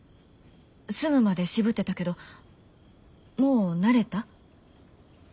住むまで渋ってたけどもう慣れた？